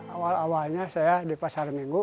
awal awalnya saya di pasar minggu